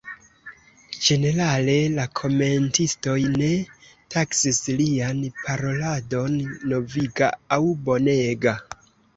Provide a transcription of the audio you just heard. Ĝenerale, la komentistoj ne taksis lian paroladon noviga aŭ bonega.